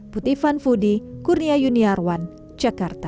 puti fanfudi kurnia yuniarwan jakarta